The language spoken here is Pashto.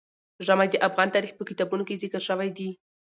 ژمی د افغان تاریخ په کتابونو کې ذکر شوی دي.